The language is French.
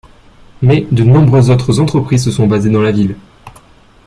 Mais de nombreuses autres entreprises se sont basées dans la ville.